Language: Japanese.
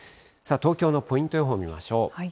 東京のポイント予報を見ましょう。